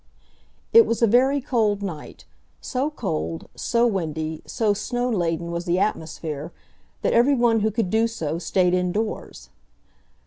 It was a very cold night—so cold, so windy, so snow laden was the atmosphere, that everyone who could do so stayed indoors.